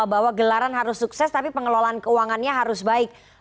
bahwa gelaran harus sukses tapi pengelolaan keuangannya harus baik